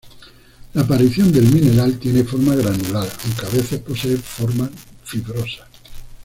La aparición del mineral tiene forma granular, aunque a veces posee formas fibrosas.